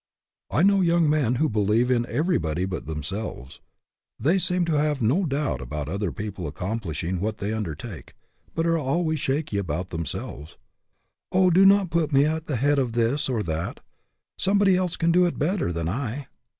I know young men who believe in every body but themselves. They seem to have no doubt about other people accomplishing what they undertake, but are always shaky about themselves :" Oh, do not put me at the head of this or that ; somebody else can do it better than I."